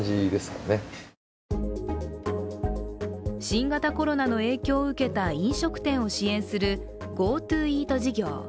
新型コロナの影響を受けた飲食店を支援するＧｏＴｏイート事業。